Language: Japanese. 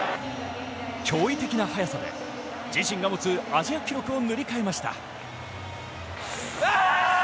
驚異的な速さで自身が持つアジア記録を塗り替えました。